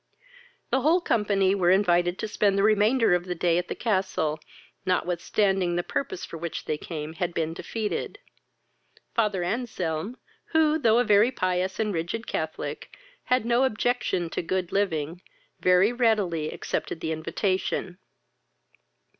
The whole company were invited to spend the remainder of the day at the Castle, notwithstanding the purpose for which they came had been defeated. Father Anselm, who, though a very pious and rigid Catholic, had no objection to good living, very readily accepted the invitation.